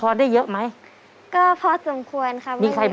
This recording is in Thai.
เรียก๓ถ้วยนะครับ